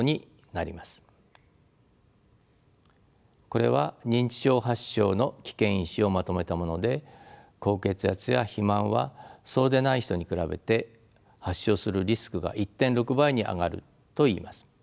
これは認知症発症の危険因子をまとめたもので高血圧や肥満はそうでない人に比べて発症するリスクが１．６倍に上がるといいます。